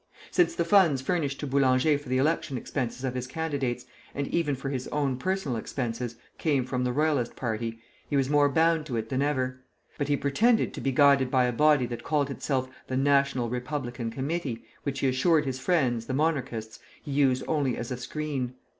Since the funds furnished to Boulanger for the election expenses of his candidates, and even for his own personal expenses, came from the Royalist party, he was more bound to it than ever; but he pretended to be guided by a body that called itself the National Republican Committee, which he assured his friends, the Monarchists, he used only as a screen.